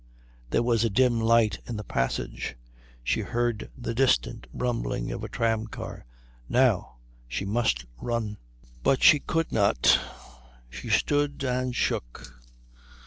There was a dim light in the passage. She heard the distant rumbling of a tramcar. Now she must run. But she could not. She stood and shook.